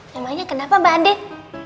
namanya kenapa mbak andin